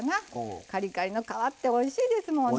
カリカリの皮っておいしいですもんね。